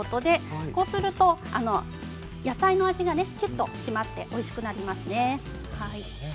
そうすると野菜の味が締まっておいしくなります。